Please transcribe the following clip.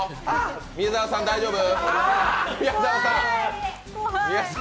宮澤さん大丈夫？